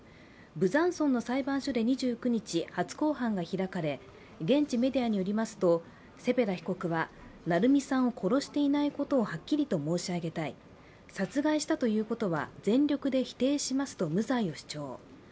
ブザンソンの裁判所で２９日、初公判が開かれ現地メディアによりますとセペダ被告は愛海さんを殺していないことをはっきりと申し上げたい、殺害したということは全力で否定しますと無罪を主張。